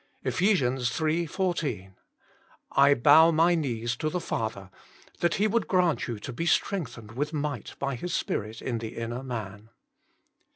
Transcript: Eph. iii. 14 : "I bow my knees to the Father, that He would grant you to be strengthened with might by His Spirit in the inner man."